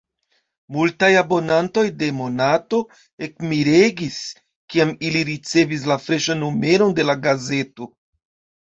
Multaj abonantoj de Monato ekmiregis, kiam ili ricevis la freŝan numeron de la gazeto.